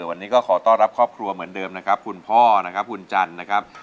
วันนี้ก็ขอต้อนรับครอบครัวเหมือนเดิมนะครับคุณพ่อนะครับคุณจันทร์นะครับ